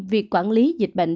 việc quản lý dịch bệnh